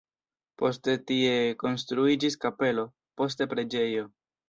Poste tie konstruiĝis kapelo, poste preĝejo.